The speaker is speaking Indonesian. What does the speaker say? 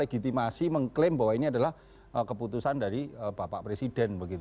dan kita legitimasi mengklaim bahwa ini adalah keputusan dari bapak presiden